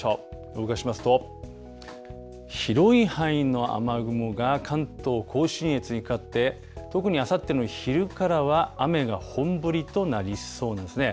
動かしますと、広い範囲の雨雲が関東甲信越にかかって、特にあさっての昼からは、雨が本降りとなりそうなんですね。